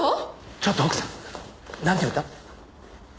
ちょっと奥さんなんて言うた？